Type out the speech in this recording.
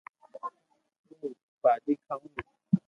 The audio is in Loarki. ھون ڀاجي کاوُ